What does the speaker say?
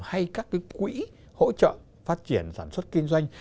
hay các cái quỹ hỗ trợ phát triển sản xuất kinh doanh